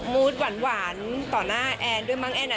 มูดหวานหวานต่อหน้าแอลด์ด้วยมันแอลด์อ่ะ